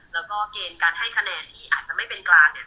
แล้วก็เกณฑ์การให้คะแนนที่อาจจะไม่เป็นกลางเนี่ย